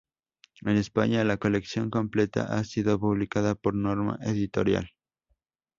En España, la colección completa ha sido publicada por Norma Editorial.